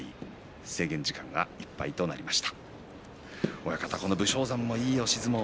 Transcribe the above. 制限時間がいっぱいとなりました。